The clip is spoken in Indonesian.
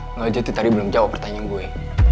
enggak jadi tadi belum jawab pertanyaan gue